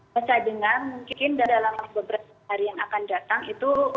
saya dengar mungkin dalam beberapa hari yang akan datang itu